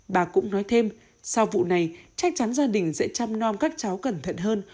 bà cũng nói thêm sau vụ này chắc chắn gia đình sẽ chăm no các cháu cẩn thận hơn